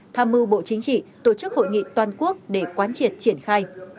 tham mưu bộ chính trị tổ chức hội nghị toàn quốc để quán triệt triển khai